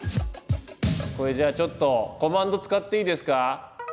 これじゃあちょっとコマンド使っていいですか？